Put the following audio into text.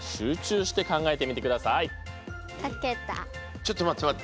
ちょっと待って待って。